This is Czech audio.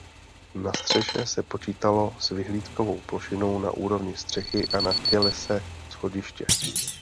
Na střeše se počítalo s vyhlídkovou plošinou na úrovni střechy a na tělese schodiště.